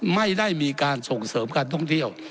ไม่ได้มีการส่งเสริมการท่องเที่ยว